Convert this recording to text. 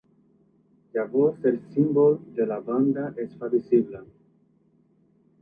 Llavors el símbol de la banda es fa visible.